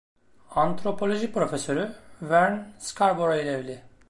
Antropoloji profesörü Vern Scarborough ile evli.